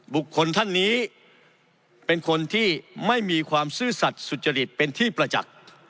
ท่านนี้เป็นคนที่ไม่มีความซื่อสัตว์สุจริตเป็นที่ประจักษ์